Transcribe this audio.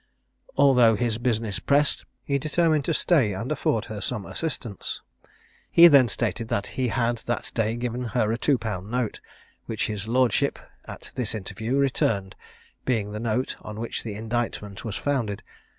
Although his business pressed, he determined to stay and afford her some assistance. He then stated that he had that day given her a 2_l._ note, which his lordship, at this interview, returned (being the note on which the indictment was founded).